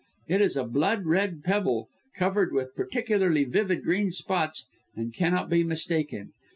It is a blood red pebble, covered with peculiarly vivid green spots, and cannot be mistaken.